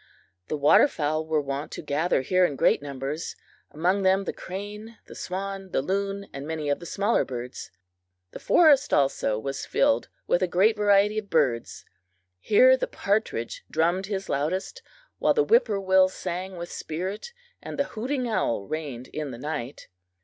The water fowl were wont to gather here in great numbers, among them the crane, the swan, the loon, and many of the smaller kinds. The forest also was filled with a great variety of birds. Here the partridge drummed his loudest, while the whippoorwill sang with spirit, and the hooting owl reigned in the night.